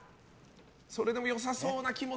それでよさそうな気も。